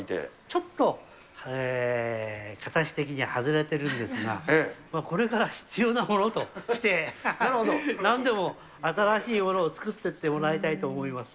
ちょっと形的には外れているんですが、これから必要なものとして、なんでも新しいものを作ってってもらいたいと思います。